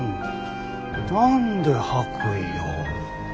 何で白衣を。